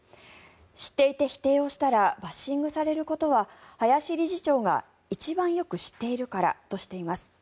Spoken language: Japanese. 知っていて否定をしたらバッシングをされることは林理事長が一番よく知っているからとしています。